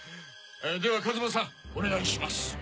では風間さんお願いします。